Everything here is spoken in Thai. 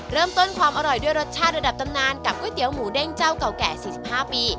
เริ่มต้นความอร่อยด้วยรสชาติระดับตำนานกับก๋วยเตี๋ยวหมูเด้งเจ้าเก่าแก่๔๕ปี